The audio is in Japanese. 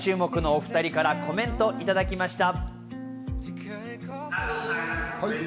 そんな大注目の２人からコメントをいただきました。